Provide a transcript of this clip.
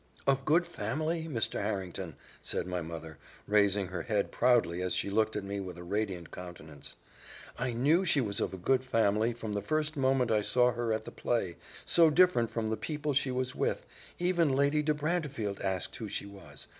"Of good family, Mr. Harrington," said my mother, raising her head proudly as she looked at me with a radiant countenance: "I knew she was of a good family from the first moment I saw her at the play so different from the people she was with even Lady de Brantefield asked who she was.